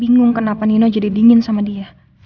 bingung kenapa nino jadi dingin sama dia